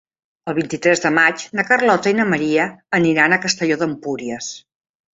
El vint-i-tres de maig na Carlota i na Maria aniran a Castelló d'Empúries.